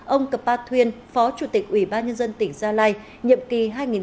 ông cập ba thuyên phó chủ tịch ubnd tỉnh gia lai nhiệm kỳ hai nghìn hai mươi một hai nghìn hai mươi sáu